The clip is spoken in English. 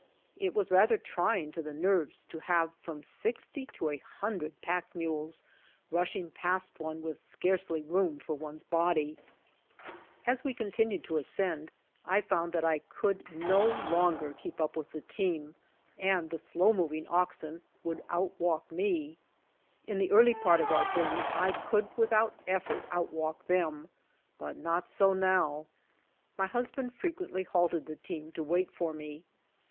It was rather trying to the nerves to have from sixty to a hundred pack mules rushing past one with scarcely room for one's body. 128 BY ox TEAM TO CALIFORNIA As we continued to ascend, I found that I could no longer keep up with the team and the slow moving oxen would out walk me. In the early part of our journey, I could without effort out walk them, but not so now. My husband frequently halted the team to wait for me.